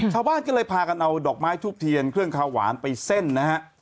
ชาวบ้านก็เลยพากันเอาดอกไม้ทูบเทียนเครื่องคาวหวานไปเส้นนะฮะ